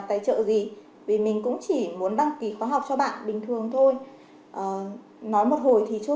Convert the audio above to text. tài trợ gì vì mình cũng chỉ muốn đăng ký khóa học cho bạn bình thường thôi nói một hồi thì trung